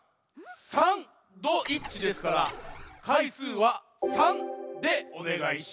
「サン」ドイッチですからかいすうは３でおねがいします。